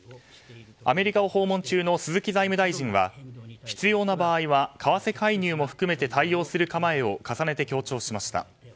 アメリカを訪問中の鈴木財務大臣は必要な場合は為替介入も含めて対応する構えを重ねて強調しました。